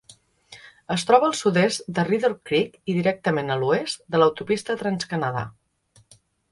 Es troba al sud-est de Redearth Creek i directament a l'oest de l'autopista Trans-Canada.